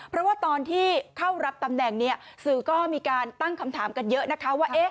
เพราะว่าตอนที่เข้ารับตำแหน่งเนี่ยสื่อก็มีการตั้งคำถามกันเยอะนะคะว่า